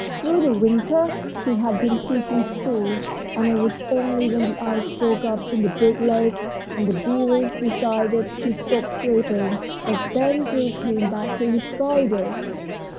Through the winter he had been teaching school, and it was only when the ice broke up in the big lake and the beavers decided to stop sleeping that Ben Gile came back to his guiding.